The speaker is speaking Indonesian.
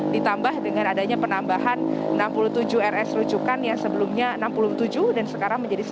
ditambah dengan adanya penambahan enam puluh tujuh rs rujukan yang sebelumnya enam puluh tujuh dan sekarang menjadi satu ratus